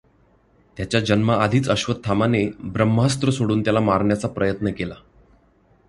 त्याच्या जन्माआधीच अश्वत्थामाने ब्रह्मास्त्र सोडून त्याला मारण्याचा प्रयत् न केला.